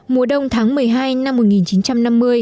mùa đông tháng một mươi hai năm hai nghìn một mươi chín